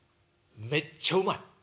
めっちゃうまい。